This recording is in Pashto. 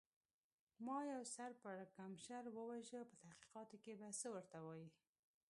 ما یو سر پړکمشر و وژه، په تحقیقاتو کې به څه ورته وایې؟